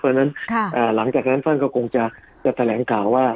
เพราะฉะนั้นหลังจากนั้นท่านก็คงจะแถลงข่าวว่า